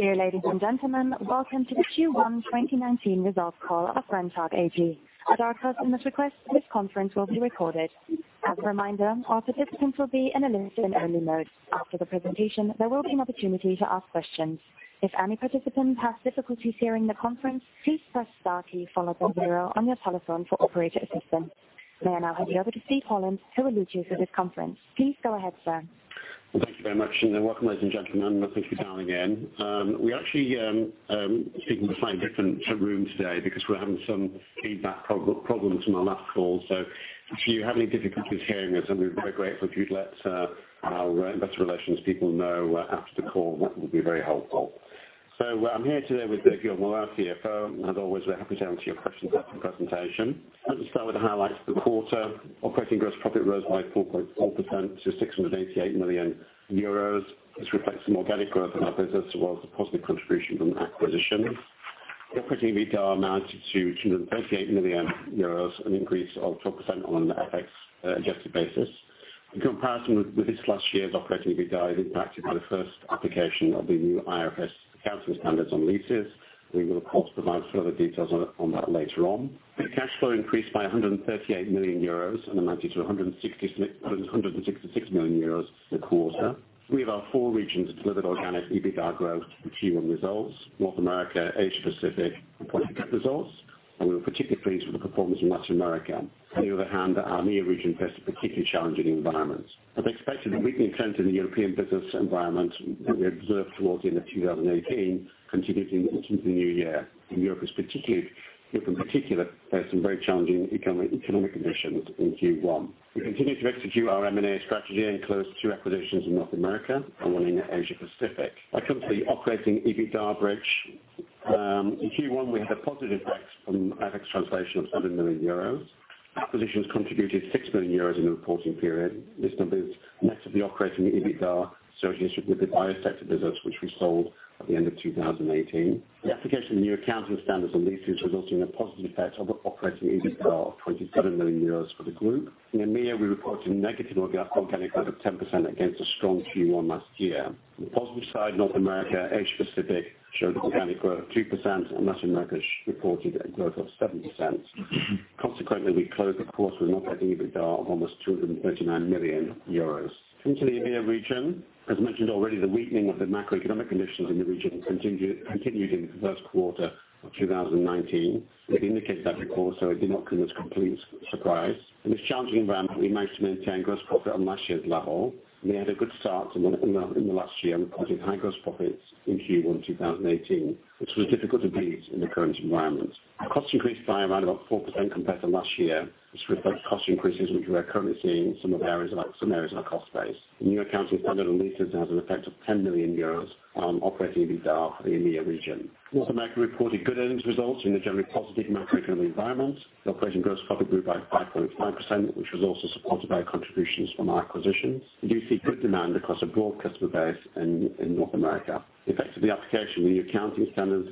Dear ladies and gentlemen, welcome to the Q1 2019 results call of Brenntag AG. At our customers' request, this conference will be recorded. As a reminder, all participants will be in a listen-only mode. After the presentation, there will be an opportunity to ask questions. If any participants have difficulties hearing the conference, please press star key, followed by zero on your telephone for operator assistance. May I now hand you over to Steven Holland, who will lead you through this conference. Please go ahead, sir. Thank you very much, and welcome, ladies and gentlemen. Thank you for dialing in. We actually speaking from a slightly different room today because we're having some feedback problems from our last call. If you have any difficulties hearing us, we'd be very grateful if you'd let our investor relations people know after the call. That would be very helpful. I'm here today with Guillaume Laurent, CFO. As always, we're happy to answer your questions after the presentation. Let me start with the highlights for the quarter. Operating gross profit rose by 4.4% to 688 million euros. This reflects some organic growth in our business as well as a positive contribution from acquisitions. Operating EBITDA amounted to 238 million euros, an increase of 12% on an FX-adjusted basis. In comparison with this last year's Operating EBITDA is impacted by the first application of the new IFRS accounting standards on leases. We will, of course, provide further details on that later on. Cash flow increased by 138 million euros and amounted to 166 million euros this quarter. Three of our four regions delivered organic EBITDA growth in Q1 results. North America, Asia Pacific, and quite good results, and we were particularly pleased with the performance in Latin America. On the other hand, our EMEA region faced a particularly challenging environment. As expected, the weakening trend in the European business environment that we observed towards the end of 2018 continued into the new year. Europe, in particular, faced some very challenging economic conditions in Q1. We continued to execute our M&A strategy and closed two acquisitions in North America and one in Asia Pacific. Our company Operating EBITDA bridge. In Q1, we had a positive effect from FX translation of 7 million euros. Acquisitions contributed 6 million euros in the reporting period. This number is net of the Operating EBITDA associated with the Biosector business, which we sold at the end of 2018. The application of the new accounting standards on leases resulting in a positive effect on the Operating EBITDA of 27 million euros for the group. In EMEA, we reported negative organic growth of 10% against a strong Q1 last year. On the positive side, North America, Asia Pacific showed organic growth of 2%, and Latin America reported a growth of 7%. We closed, of course, with a net Operating EBITDA of almost 239 million euros. Into the EMEA region. As mentioned already, the weakening of the macroeconomic conditions in the region continued in the first quarter of 2019. We've indicated that before, so it did not come as a complete surprise. In this challenging environment, we managed to maintain gross profit on last year's level. We had a good start in the last year, reporting high gross profits in Q1 2018, which was difficult to beat in the current environment. Costs increased by around about 4% compared to last year. This reflects cost increases, which we are currently seeing in some areas of our cost base. The new accounting standard on leases has an effect of 10 million euros on Operating EBITDA for the EMEA region. North America reported good earnings results in the generally positive macroeconomic environment. The operating gross profit grew by 5.5%, which was also supported by contributions from our acquisitions. We do see good demand across a broad customer base in North America. The effect of the application of the accounting standards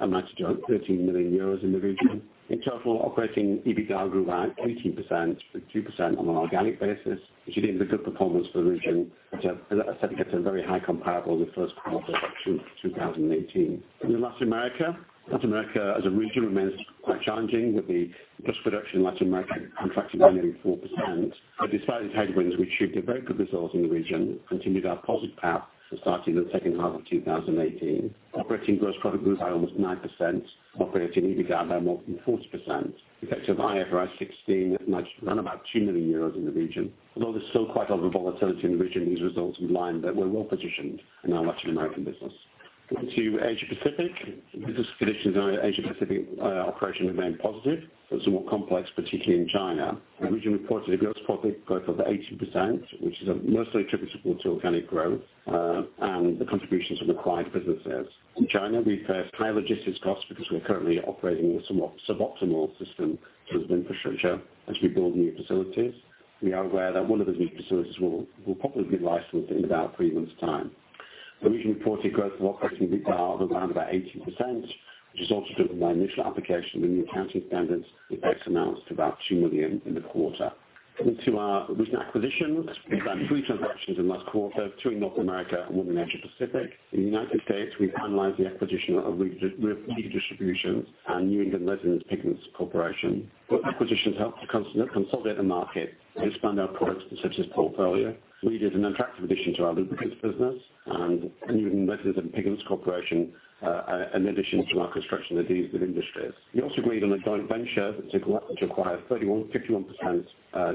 amounted to 13 million euros in the region. In total, Operating EBITDA grew by 18% with 2% on an organic basis, which again, is a good performance for the region. As I said, against a very high comparable in the first quarter of 2018. In Latin America. Latin America as a region remains quite challenging with the gross production in Latin America contracting by nearly 4%. Despite these headwinds, we achieved a very good result in the region and continued our positive path we started in the second half of 2018. Operating gross profit grew by almost 9%. Operating EBITDA by more than 4%. The effect of IFRS 16 at around about 2 million euros in the region. Although there's still quite a lot of volatility in the region, these results underline that we're well-positioned in our Latin American business. Going to Asia Pacific. Business conditions in our Asia Pacific operation remained positive, but it's more complex, particularly in China. The region reported a gross profit growth of 18%, which is mostly attributable to organic growth, and the contributions from acquired businesses. In China, we faced higher logistics costs because we're currently operating a somewhat suboptimal system in terms of infrastructure as we build new facilities. We are aware that one of the new facilities will probably be licensed within about three months' time. The region reported growth of Operating EBITDA of around about 18%, which is also driven by initial application of the new accounting standards. The effect amounts to about 2 million in the quarter. Into our recent acquisitions. We've had three transactions in the last quarter, two in North America and one in Asia Pacific. In the U.S., we finalized the acquisition of Reeder Distribution and New England Resins & Pigments Corporation. Both acquisitions help to consolidate the market and expand our products and services portfolio. Reeder is an attractive addition to our lubricants business, and New England Resins & Pigments Corporation, an addition to our construction additives industries. We also agreed on a joint venture to acquire 51%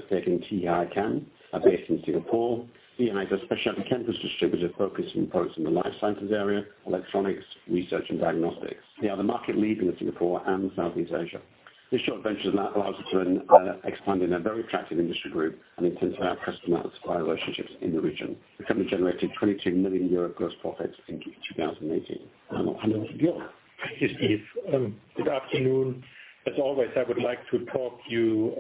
stake in Tee Hai Chem, based in Singapore. Tee Hai is a specialty chemistry distributor focused on products in the Life Sciences area, electronics, research, and diagnostics. They are the market leader in Singapore and Southeast Asia. This joint venture allows us to expand in a very attractive industry group and enhance our customer and supplier relationships in the region. The company generated 22 million euro gross profits in 2018. Over to Guillaume. Thank you, Steve. Good afternoon. As always, I would like to talk you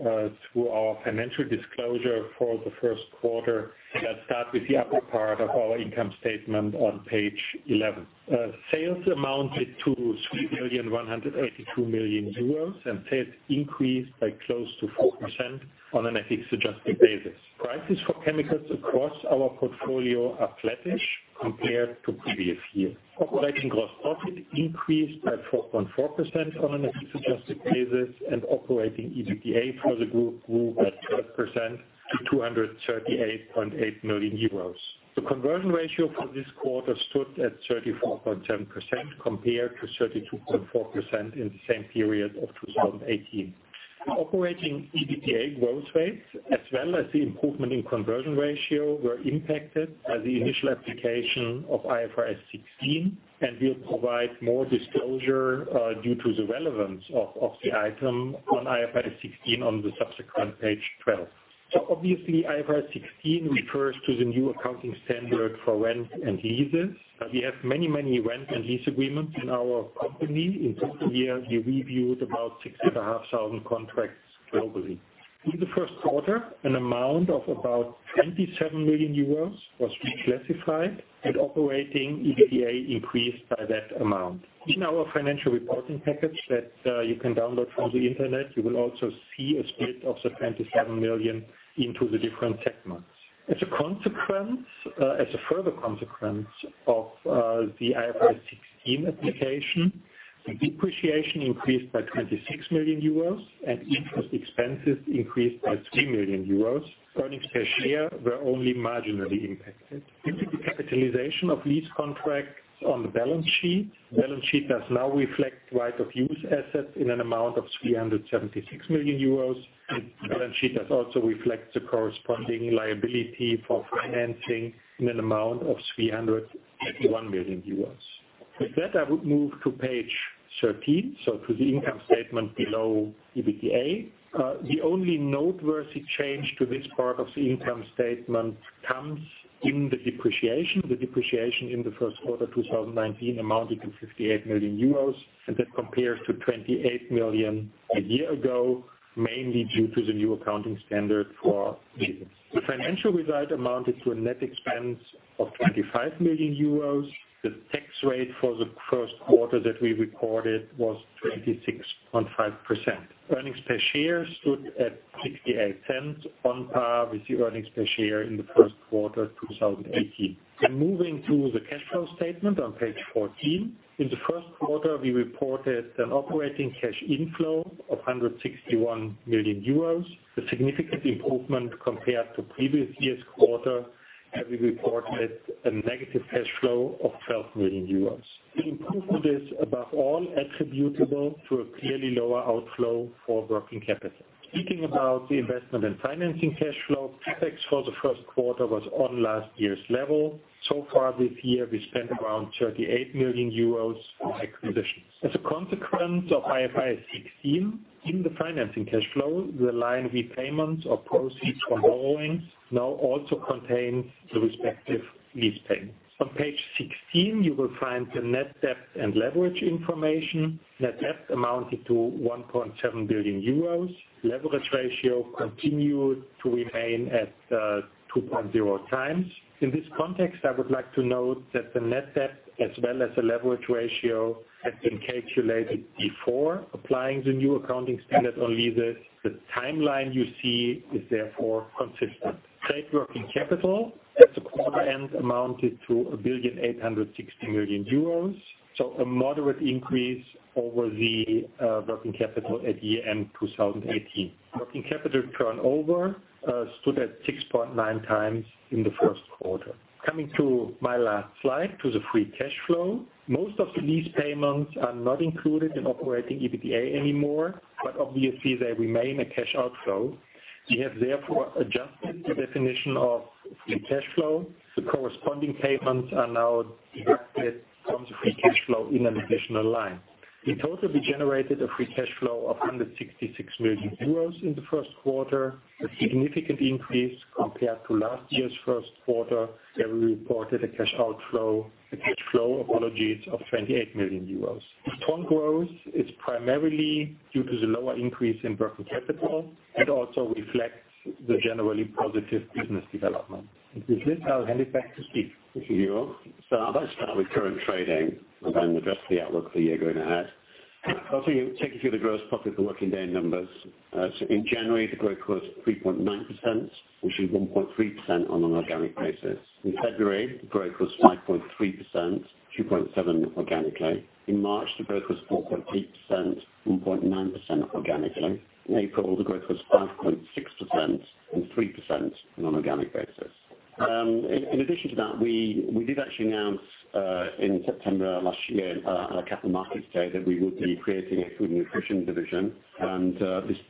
through our financial disclosure for the first quarter. Let's start with the upper part of our income statement on page 11. Sales amounted to 3,182,000,000 euros. Sales increased by close to 4% on an FX adjusted basis. Prices for chemicals across our portfolio are flattish compared to previous year. Operating gross profit increased by 4.4% on an FX adjusted basis. Operating EBITDA for the group grew by 12% to 238.8 million euros. The conversion ratio for this quarter stood at 34.7% compared to 32.4% in the same period of 2018. Operating EBITDA growth rates as well as the improvement in conversion ratio were impacted by the initial application of IFRS 16. We'll provide more disclosure, due to the relevance of the item on IFRS 16, on the subsequent page 12. Obviously IFRS 16 refers to the new accounting standard for rent and leases. We have many rent and lease agreements in our company. In total here, we reviewed about 6,500 contracts globally. Through the first quarter, an amount of about 27 million euros was reclassified. Operating EBITDA increased by that amount. In our financial reporting package that you can download from the internet, you will also see a split of the 27 million into the different segments. As a further consequence of the IFRS 16 application, the depreciation increased by 26 million euros. Interest expenses increased by 3 million euros. Earnings per share were only marginally impacted. Due to the capitalization of lease contracts on the balance sheet, balance sheet does now reflect right-of-use assets in an amount of 376 million euros. The balance sheet does also reflect the corresponding liability for financing in an amount of 381 million euros. With that, I would move to page 13, so to the income statement below EBITDA. The only noteworthy change to this part of the income statement comes in the depreciation. The depreciation in the first quarter 2019 amounted to 58 million euros and that compares to 28 million a year ago, mainly due to the new accounting standard for leases. The financial result amounted to a net expense of 25 million euros. The tax rate for the first quarter that we reported was 26.5%. Earnings per share stood at 0.68 on par with the earnings per share in the first quarter 2018. Moving to the cash flow statement on page 14. In the first quarter, we reported an operating cash inflow of 161 million euros. A significant improvement compared to previous year's quarter, having reported a negative cash flow of 12 million euros. The improvement is above all attributable to a clearly lower outflow for working capital. Speaking about the investment and financing cash flow, CapEx for the first quarter was on last year's level. Far this year we spent around 38 million euros for acquisitions. As a consequence of IFRS 16, in the financing cash flow, the line repayments of proceeds from borrowings now also contains the respective lease payments. On page 16, you will find the net debt and leverage information. Net debt amounted to 1.7 billion euros. Leverage ratio continued to remain at 2.0 times. In this context, I would like to note that the net debt as well as the leverage ratio has been calculated before applying the new accounting standard on leases. The timeline you see is therefore consistent. Trade working capital at the quarter end amounted to 1.86 billion. A moderate increase over the working capital at year-end 2018. Working capital turnover stood at 6.9 times in the first quarter. Coming to my last slide, to the free cash flow. Most of the lease payments are not included in Operating EBITDA anymore, obviously they remain a cash outflow. We have therefore adjusted the definition of free cash flow. The corresponding payments are now deducted from the free cash flow in an additional line. In total, we generated a free cash flow of 166 million euros in the first quarter, a significant increase compared to last year's first quarter, where we reported a cash flow, apologies, of 28 million euros. Strong growth is primarily due to the lower increase in working capital and also reflects the generally positive business development. With this, I will hand it back to Steve. Thank you, Guillaume. I'd like to start with current trading and then address the outlook for the year going ahead. I'll take you through the gross profit for working day numbers. In January, the growth was 3.9%, which is 1.3% on an organic basis. In February, the growth was 5.3%, 2.7% organically. In March, the growth was 4.8%, 1.9% organically. In April, the growth was 5.6% and 3% on an organic basis. In addition to that, we did actually announce in September last year on our capital markets day, that we would be creating a Food & Nutrition division.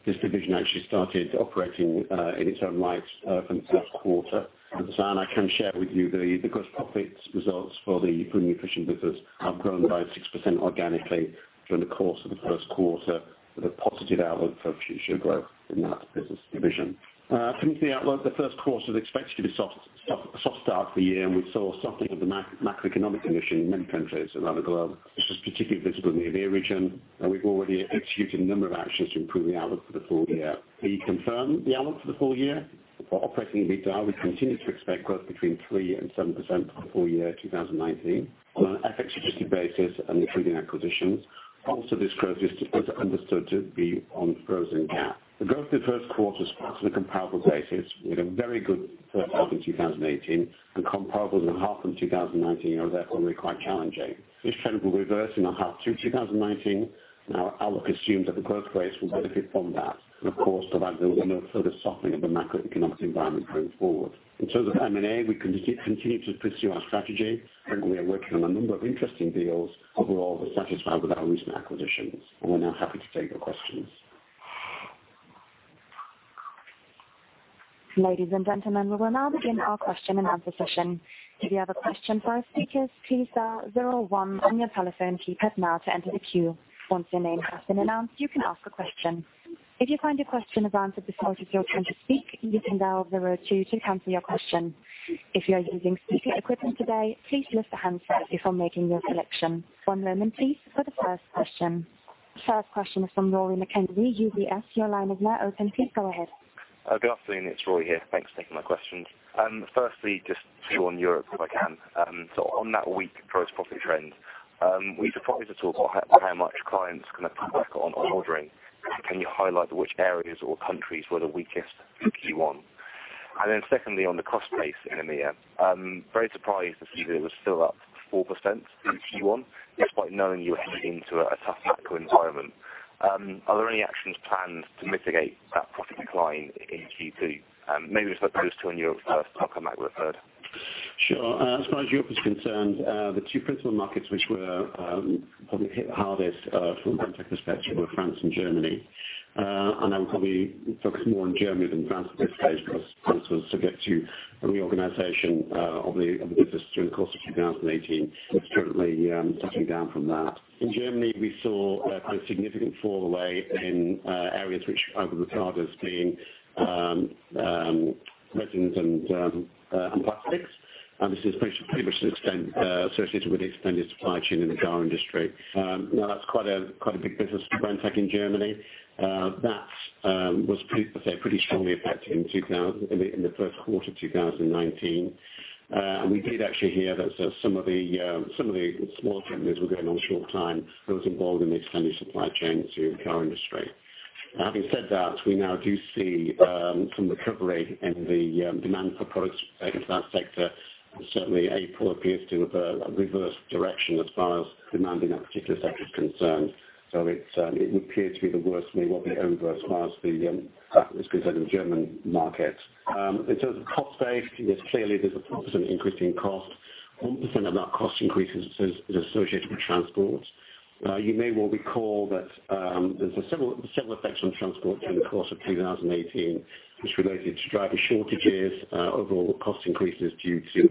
This division actually started operating in its own right from the first quarter. I can share with you the gross profits results for the Food & Nutrition business have grown by 6% organically during the course of the first quarter with a positive outlook for future growth in that business division. Turning to the outlook, the first quarter was expected to be a soft start for the year. We saw something of a macroeconomic condition in many countries around the globe, which was particularly visible in the Oil & Gas, and we've already executed a number of actions to improve the outlook for the full year. We confirm the outlook for the full year. For Operating EBITDA, we continue to expect growth between 3% and 7% for the full year 2019 on an FX-adjusted basis and including acquisitions. Most of this growth is understood to be on Frozen GAAP. The growth in the first quarter is based on a comparable basis, with a very good first half in 2018 and comparables in the half in 2019 are therefore really quite challenging. This trend will reverse in the half 2 2019. Our outlook assumes that the growth rates will benefit from that. Of course, provided there was no further softening of the macroeconomic environment going forward. In terms of M&A, we continue to pursue our strategy. Currently, we are working on a number of interesting deals. Overall, we're satisfied with our recent acquisitions. We're now happy to take your questions. Ladies and gentlemen, we will now begin our question and answer session. If you have a question for our speakers, please dial zero one on your telephone keypad now to enter the queue. Once your name has been announced, you can ask a question. If you find your question has answered before it is your turn to speak, you can dial zero two to cancel your question. If you are using speaker equipment today, please lift the handset before making your selection. One moment please for the first question. First question is from Rory McKenzie, UBS. Your line is now open. Please go ahead. Good afternoon, it's Rory here. Thanks for taking my questions. Firstly, just to you on Europe, if I can. On that weak gross profit trend, were you surprised at all by how much clients kind of cut back on ordering? Can you highlight which areas or countries were the weakest in Q1? Secondly, on the cost base in EMEA. Very surprised to see that it was still up 4% in Q1, despite knowing you were heading into a tough macro environment. Are there any actions planned to mitigate that profit decline in Q2? Maybe if I pose to you on Europe first, I'll come back with a third. Sure. As far as Europe is concerned, the two principal markets which were probably hit hardest, from a Brenntag perspective, were France and Germany. I would probably focus more on Germany than France at this stage for us. France was subject to a reorganization of the business during the course of 2018, which currently I'm touching down from that. In Germany, we saw a pretty significant fall away in areas which I would regard as being resins and plastics. This is pretty much to the extent associated with the extended supply chain in the car industry. That's quite a big business for Brenntag in Germany. That was pretty strongly affected in the first quarter 2019. We did actually hear that some of the small companies were going on short time. Those involved in the extended supply chain to the car industry. Having said that, we now do see some recovery in the demand for products into that sector, certainly April appears to have a reverse direction as far as demand in that particular sector is concerned. It appears to be the worst may well be over as far as the practice concerned in the German market. In terms of cost base, yes, clearly there's a problem with increasing cost. 1% of that cost increases is associated with transport. You may well recall that there's several effects on transport during the course of 2018, which related to driver shortages, overall cost increases due to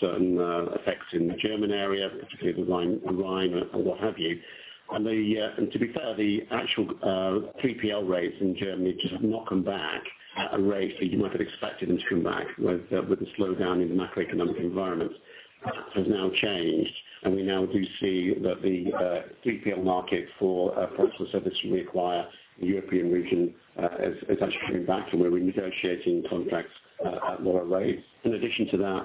certain effects in the German area, particularly the Rhine and what have you. To be fair, the actual PPL rates in Germany just have not come back at a rate that you might have expected them to come back with the slowdown in the macroeconomic environment. That has now changed, we now do see that the PPL market for products and service we acquire in the European region has actually come back to where we're negotiating contracts at lower rates. In addition to that,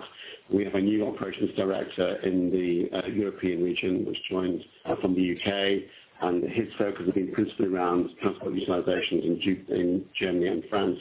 we have a new operations director in the European region, which joined from the U.K., his focus has been principally around transport utilizations in Germany and France.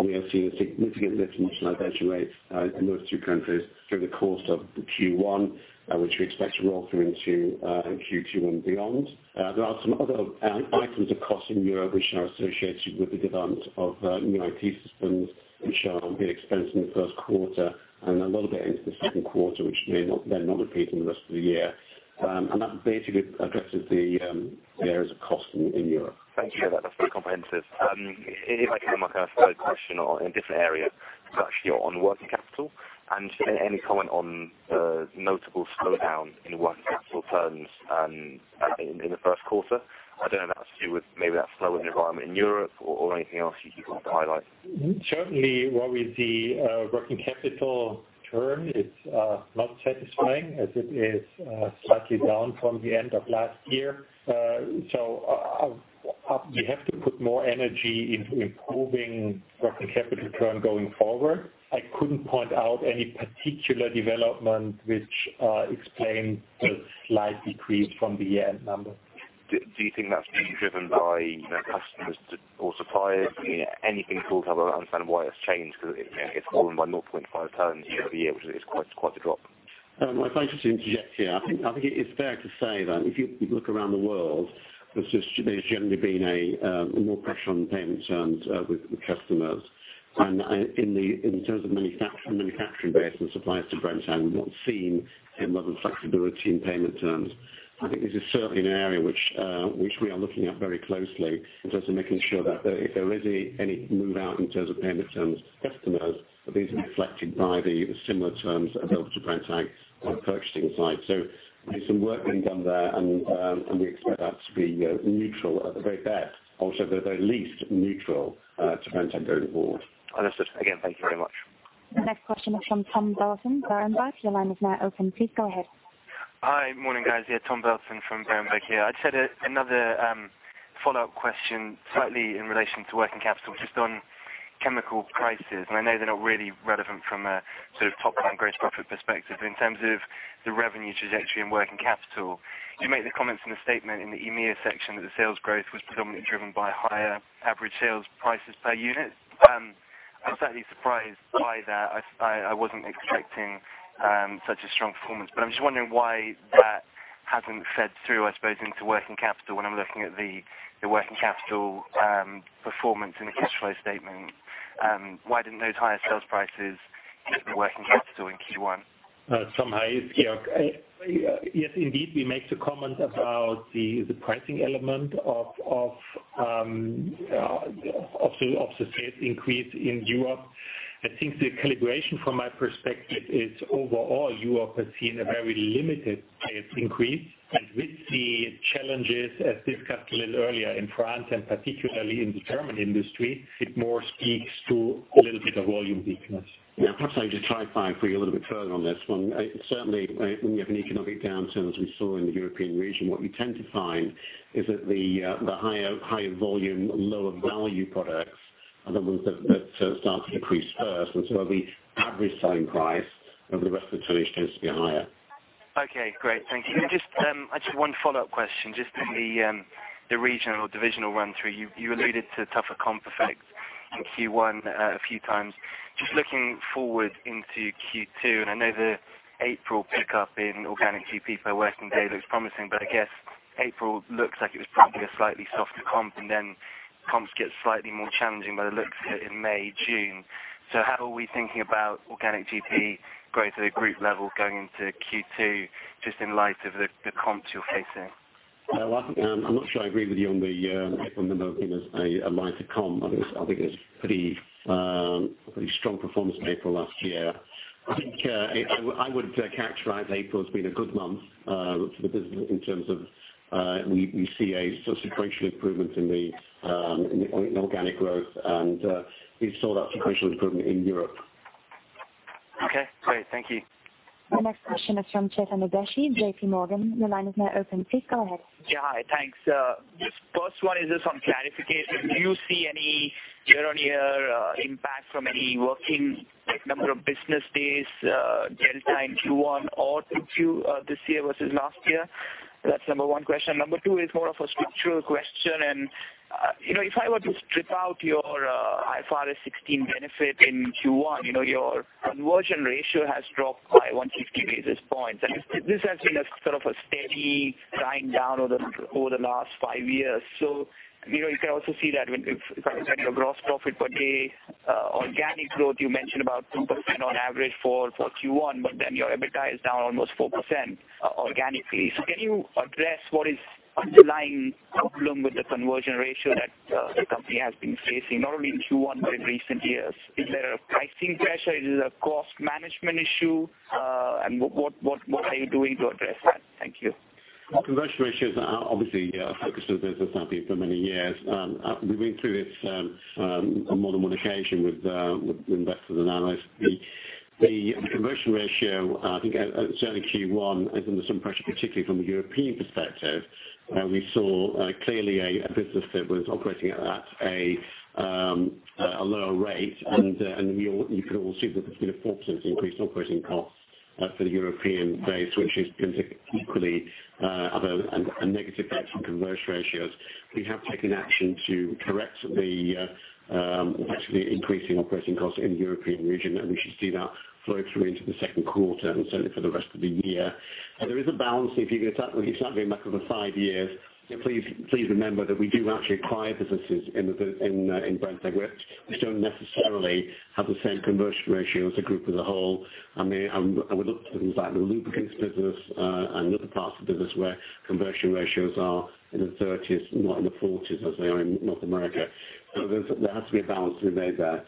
We have seen a significant lift in utilization rates in those two countries through the course of the Q1, which we expect to roll through into Q2 and beyond. There are some other items of cost in Europe which are associated with the development of new IT systems, which are a bit expensive in the first quarter and a little bit into the second quarter, which may not then not repeat in the rest of the year. That basically addresses the areas of cost in Europe. Thank you. That's very comprehensive. If I can have my third question in a different area. It's actually on working capital. Just any comment on the notable slowdown in working capital terms in the first quarter? I don't know if that's to do with maybe that slowing environment in Europe or anything else you can highlight. Certainly, Rory, the working capital term is not satisfying as it is slightly down from the end of last year. We have to put more energy into improving working capital term going forward. I couldn't point out any particular development which explains the slight decrease from the year-end number. Do you think that's being driven by customers or suppliers? Anything to help understand why it's changed, because it's fallen by 0.5 terms year-over-year, which is quite the drop. If I could just interject here. I think it's fair to say that if you look around the world, there's generally been more pressure on payment terms with customers. In terms of manufacturing base and suppliers to Brenntag, we've not seen a level of flexibility in payment terms. I think this is certainly an area which we are looking at very closely in terms of making sure that if there is any move out in terms of payment terms to customers, that these are reflected by the similar terms available to Brenntag on the purchasing side. There's some work being done there, and we expect that to be neutral at the very best, or at the very least neutral to Brenntag going forward. Understood. Again, thank you very much The next question is from Tom Dawson. Go ahead. Your line is now open. Please go ahead. Hi. Morning, guys. Yeah, Tom Dawson from Berenberg here. I just had another follow-up question slightly in relation to working capital just on chemical prices. I know they're not really relevant from a sort of top-line gross profit perspective. In terms of the revenue trajectory and working capital, you make the comments in the statement in the EMEA section that the sales growth was predominantly driven by higher average sales prices per unit. I'm slightly surprised by that. I wasn't expecting such a strong performance. I'm just wondering why that hasn't fed through, I suppose, into working capital when I'm looking at the working capital performance in the cash flow statement. Why didn't those higher sales prices hit the working capital in Q1? Tom, hi, it's Georg. Yes, indeed, we make the comment about the pricing element of the sales increase in Europe. I think the calibration from my perspective is overall, Europe has seen a very limited price increase. With the challenges, as discussed a little earlier, in France and particularly in the German industry, it more speaks to a little bit of volume weakness. Yeah. Perhaps I could try and clarify for you a little bit further on this one. Certainly, when you have an economic downturn, as we saw in the European region, what you tend to find is that the higher volume, lower value products are the ones that start to decrease first. The average selling price over the rest of the mix tends to be higher. Okay, great. Thank you. Just I just had one follow-up question just on the regional divisional run through. You alluded to tougher comp effects in Q1 a few times. Just looking forward into Q2, and I know the April pickup in organic GP per working day looks promising, but I guess April looks like it was probably a slightly softer comp and then comps get slightly more challenging by the looks of it in May, June. How are we thinking about organic GP growth at a group level going into Q2, just in light of the comps you're facing? Well, I'm not sure I agree with you on the April number being a lighter comp. I think it was pretty strong performance in April last year. I think I would characterize April as being a good month for the business in terms of we see a substantial improvement in the organic growth, and we saw that substantial improvement in Europe. Okay, great. Thank you. The next question is from Chetan Udeshi, J.P. Morgan. Your line is now open. Please go ahead. Yeah. Hi. Thanks. Just first one is just on clarification. Do you see any year-on-year impact from any working number of business days delta in Q1 or Q2 this year versus last year? That's number one question. Number two is more of a structural question. If I were to strip out your IFRS 16 benefit in Q1, your conversion ratio has dropped by 150 basis points. This has been a sort of a steady grind down over the last five years. You can also see that when you compare your gross profit per day, organic growth, you mentioned about 2% on average for Q1, but then your EBITDA is down almost 4% organically. Can you address what is underlying problem with the conversion ratio that the company has been facing, not only in Q1 but in recent years? Is there a pricing pressure? Is it a cost management issue? What are you doing to address that? Thank you. Well, conversion ratios are obviously a focus of the business have been for many years. We've been through this on more than one occasion with investors and analysts. The conversion ratio, I think certainly Q1 is under some pressure, particularly from a European perspective. We saw clearly a business that was operating at a lower rate. You can all see that there's been a 4% increase in operating costs for the European base, which has been equally a negative effect on conversion ratios. We have taken action to correct the actually increasing operating costs in the European region, and we should see that flow through into the second quarter and certainly for the rest of the year. There is a balance if you're going to exactly back over five years, please remember that we do actually acquire businesses in Brenntag which don't necessarily have the same conversion ratio as a group as a whole. I would look at things like the lubricants business and other parts of the business where conversion ratios are in the 30s, not in the 40s as they are in North America. There has to be a balance to be made there.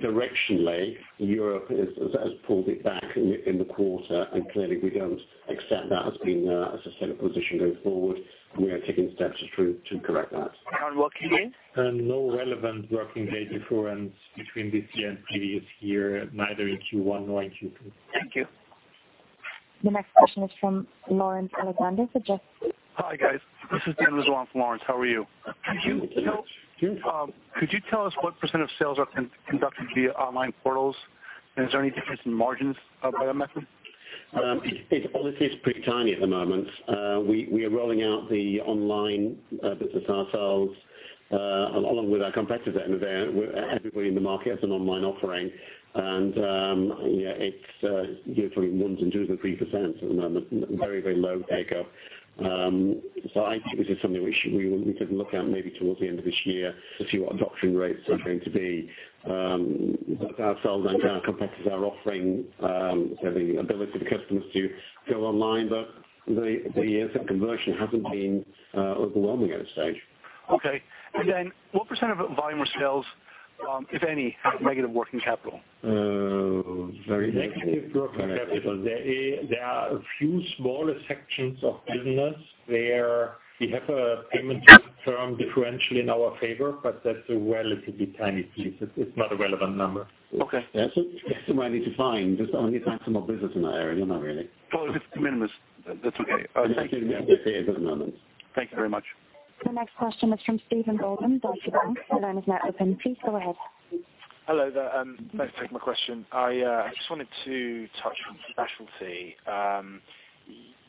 Directionally, Europe has pulled it back in the quarter, and clearly, we don't accept that as a set position going forward, and we are taking steps to correct that. On working days? No relevant working day difference between this year and previous year, neither in Q1 nor in Q2. Thank you. The next question is from Lawrence Alexander. Hi, guys. This is Lawrence Alexander. How are you? Hi, Lawrence. Could you tell us what % of sales are conducted via online portals, and is there any difference in margins by that method? It obviously is pretty tiny at the moment. We are rolling out the online business ourselves, along with our competitors. Everybody in the market has an online offering and it's usually ones and twos and threes %. Very, very low take-up. I think this is something we could look at maybe towards the end of this year to see what adoption rates are going to be. Ourselves and our competitors are offering the ability for customers to go online. The conversion hasn't been overwhelming at this stage. Okay. What % of volume or sales If any, negative working capital. Very negative working capital. There are a few smaller sections of business where we have a payment term differential in our favor, but that's a relatively tiny piece. It's not a relevant number. Okay. That's something I need to find. There's only a tiny more business in that area, not really. Well, it's de minimis. That's okay. Thank you. It doesn't matter. Thank you very much. The next question is from Steven Golden, Deutsche Bank. Your line is now open. Please go ahead. Hello there. Thanks for taking my question. I just wanted to touch on specialty.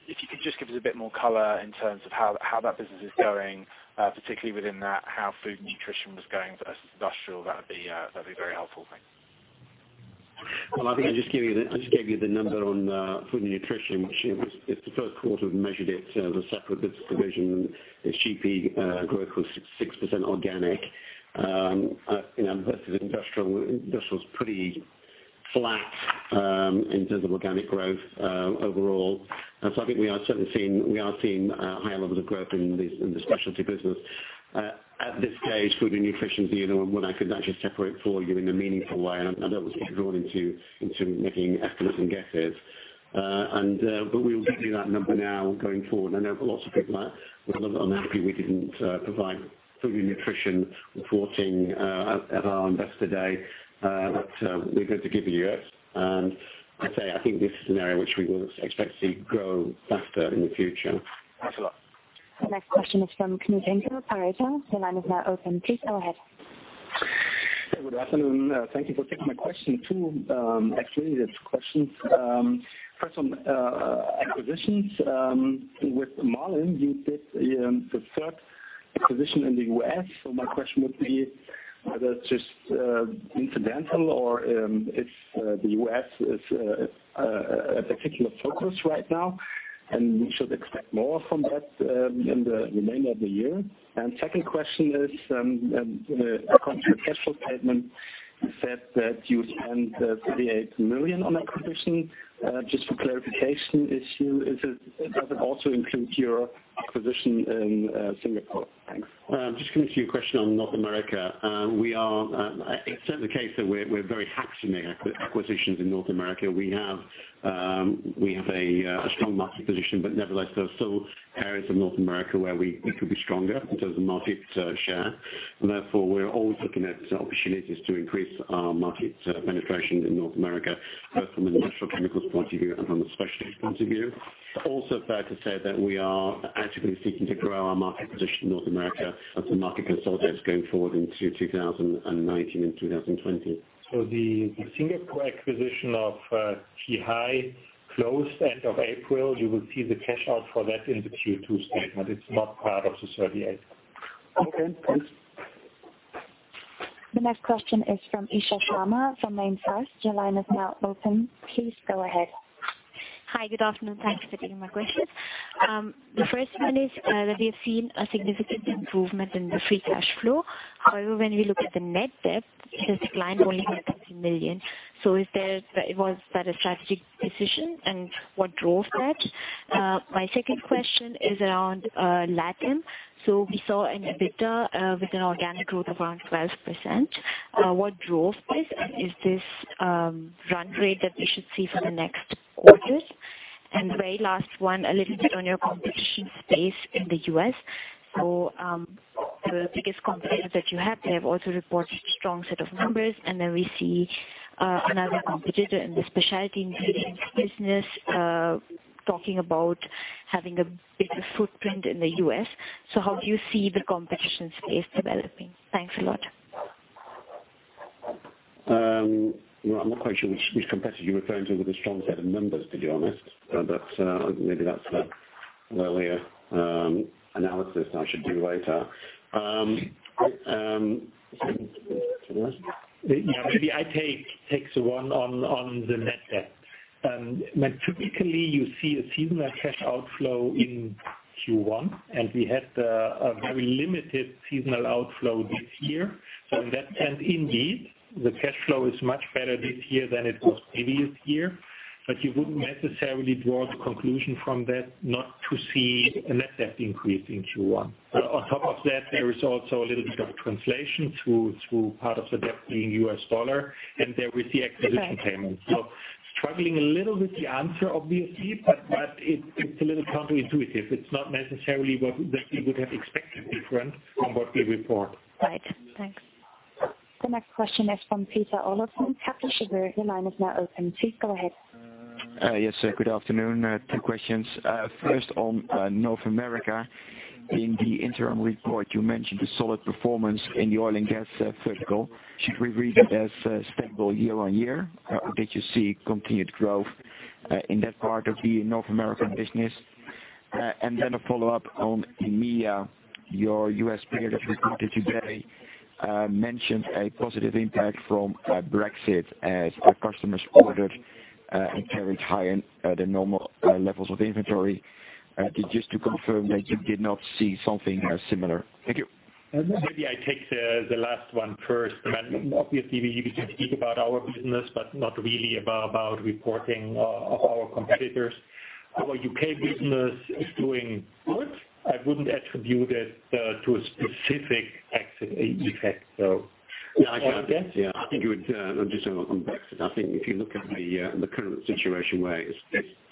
If you could just give us a bit more color in terms of how that business is going, particularly within that, how Food & Nutrition was going versus industrial, that'd be a very helpful thing. Well, I think I just gave you the number on Food & Nutrition, which it's the first quarter we've measured it as a separate business division. Its GP growth was 6% organic. Versus industrial's pretty flat in terms of organic growth overall. I think we are certainly seeing higher levels of growth in the specialty business. At this stage, Food & Nutrition is one I could actually separate for you in a meaningful way, and I don't want to be drawn into making estimates and guesses. We will give you that number now going forward. I know lots of people were a little unhappy we didn't provide Food & Nutrition reporting at our investor day. We're going to give you it. I'd say, I think this is an area which we will expect to see grow faster in the future. Thanks a lot. The next question is from Knut-Ivar, Pareto. Your line is now open. Please go ahead. Good afternoon. Thank you for taking my question. Two, actually. There are two questions. First on acquisitions. With [Marlin], you did the third acquisition in the U.S. My question would be whether it is just incidental or if the U.S. is a particular focus right now, and we should expect more from that in the remainder of the year? Second question is, in the confidential statement, you said that you would spend 38 million on acquisition. Just for clarification, does it also include your acquisition in Singapore? Thanks. Just coming to your question on North America. It is certainly the case that we are very actioning acquisitions in North America. We have a strong market position, but nevertheless, there are still areas of North America where we could be stronger in terms of market share. Therefore, we are always looking at opportunities to increase our market penetration in North America, both from an industrial chemicals point of view and from a specialty point of view. Fair to say that we are actively seeking to grow our market position in North America as a market consultant going forward into 2019 and 2020. The Singapore acquisition of Tee Hai Chem closed end of April. You will see the cash out for that in the Q2 statement. It is not part of the 38. Okay, thanks. The next question is from Isha Sharma from MainFirst. Your line is now open. Please go ahead. Hi, good afternoon. Thanks for taking my question. The first one is that we have seen a significant improvement in the free cash flow. However, when we look at the net debt, it has declined only by 30 million. Was that a strategic decision, and what drove that? My second question is around LATAM. We saw in Operating EBITDA, with an organic growth of around 12%. What drove this, and is this run rate that we should see for the next quarters? Very last one, a little bit on your competition space in the U.S. The biggest competitor that you have, they have also reported strong set of numbers, and then we see another competitor in the specialty ingredients business talking about having a bigger footprint in the U.S. How do you see the competition space developing? Thanks a lot. Well, I'm not quite sure which competitor you're referring to with a strong set of numbers, to be honest. Maybe that's an earlier analysis I should do later. Maybe I take the one on the net debt. Typically, you see a seasonal cash outflow in Q1, and we had a very limited seasonal outflow this year. In that sense, indeed, the cash flow is much better this year than it was previous year, but you wouldn't necessarily draw the conclusion from that not to see a net debt increase in Q1. On top of that, there is also a little bit of a translation through part of the debt being US dollar, and there is the acquisition payment. Struggling a little with the answer, obviously, but it's a little counterintuitive. It's not necessarily that we would have expected different from what we report. Right. Thanks. The next question is from Peter Olofsen, Kepler Cheuvreux. Your line is now open. Please go ahead. Yes, sir. Good afternoon. Two questions. First on North America. In the interim report, you mentioned the solid performance in the Oil & Gas vertical. Should we read it as stable year-over-year? Or did you see continued growth in that part of the North American business? Then a follow-up on EMEA. Your U.S. peer that reported today mentioned a positive impact from Brexit as customers ordered and carried higher than normal levels of inventory. Just to confirm that you did not see something similar. Thank you. Maybe I take the last one first. Obviously, we can speak about our business, but not really about reporting of our competitors. Our U.K. business is doing good. I wouldn't attribute it to a specific exit effect though. I think just on Brexit, I think if you look at the current situation where it's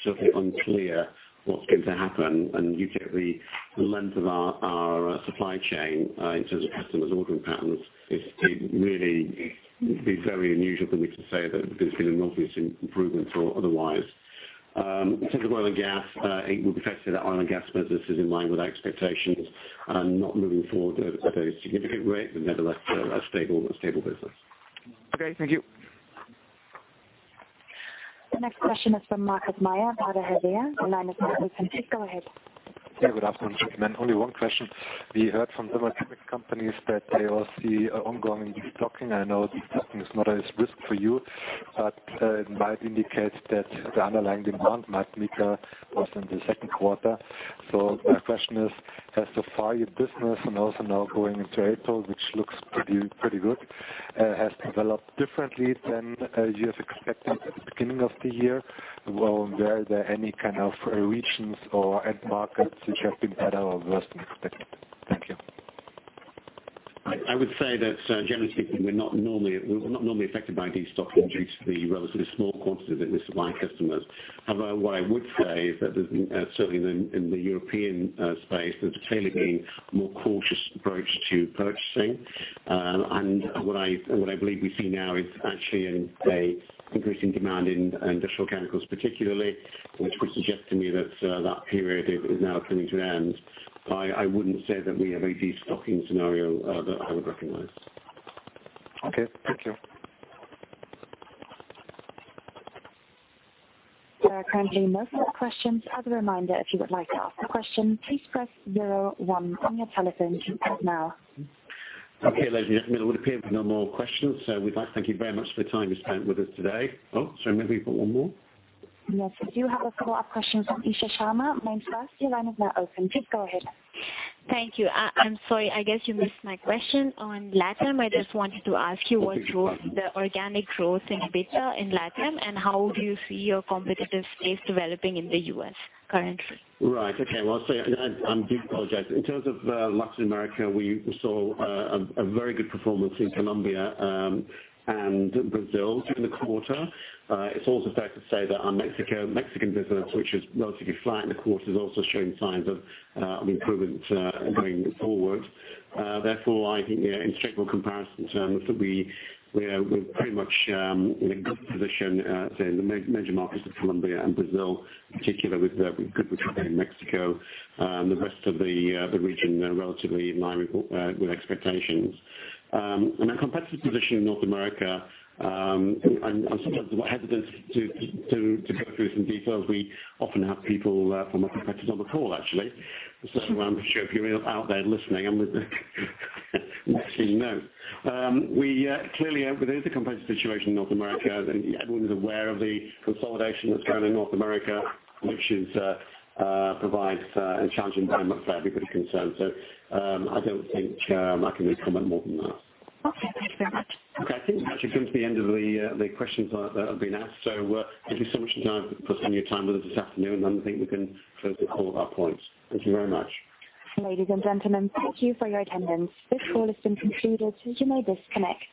certainly unclear what's going to happen and you take the length of our supply chain in terms of customers ordering patterns, it'd be very unusual for me to say that there's been an obvious improvement or otherwise. In terms of Oil & Gas, it would be fair to say that Oil & Gas business is in line with our expectations, not moving forward at a significant rate, but nevertheless, a stable business. Okay, thank you. The next question is from Marcus Meyer of Hauck & Aufhäuser. The line is now open. Please go ahead. Yeah, good afternoon, gentlemen. Only one question. We heard from chemical companies that they all see ongoing destocking. I know destocking is not a risk for you, but it might indicate that the underlying demand might weaker also in the second quarter. My question is, has so far your business and also now going into April, which looks pretty good, has developed differently than you were expecting at the beginning of the year? Were there any kind of regions or end markets which have been better or worse than expected? Thank you. I would say that generally speaking, we're not normally affected by destocking due to the relatively small quantity that we supply customers. However, what I would say is that certainly in the European space, there's clearly been a more cautious approach to purchasing. What I believe we see now is actually an increase in demand in industrial chemicals particularly, which would suggest to me that period is now coming to an end. I wouldn't say that we have a destocking scenario that I would recognize. Okay, thank you. There are currently no more questions. As a reminder, if you would like to ask a question, please press zero one on your telephone keypad now. Okay, ladies and gentlemen, it would appear we've no more questions. We'd like to thank you very much for the time you spent with us today. Oh, sorry, maybe we've got one more. Yes, we do have a follow-up question from Isha Sharma, MainFirst. Your line is now open. Please go ahead. Thank you. I'm sorry, I guess you missed my question on LATAM. I just wanted to ask you what drove the organic growth in EBITDA in LATAM, and how do you see your competitive space developing in the U.S. currently? Right. Okay. Well, I do apologize. In terms of Latin America, we saw a very good performance in Colombia and Brazil during the quarter. It's also fair to say that our Mexican business, which was relatively flat in the quarter, is also showing signs of improvement going forward. I think in strict comparison terms that we're pretty much in a good position in the major markets of Colombia and Brazil, particularly with good recovery in Mexico. The rest of the region are relatively in line with expectations. On our competitive position in North America, I'm sometimes hesitant to go through some details. We often have people from our competitors on the call actually. I'm not sure if you're out there listening, actually, no. Clearly, there is a competitive situation in North America, and everyone is aware of the consolidation that's going on in North America, which provides a challenging environment for everybody concerned. I don't think I can really comment more than that. Okay, thanks very much. Okay. I think we've actually come to the end of the questions that have been asked. Thank you so much for spending your time with us this afternoon. I think we can close the call at that point. Thank you very much. Ladies and gentlemen, thank you for your attendance. This call has been concluded. You may disconnect.